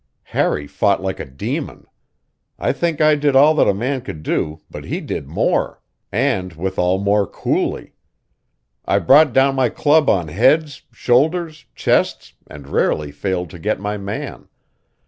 Harry fought like a demon. I think I did all that a man could do, but he did more, and withal more coolly. I brought down my club on heads, shoulders, chests, and rarely failed to get my man.